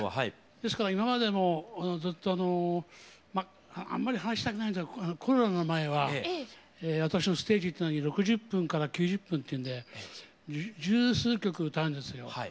ですから今までのずっとあのあんまり話したくないんですけどコロナの前は私のステージって６０分から９０分っていうんで十数曲歌うんですよ。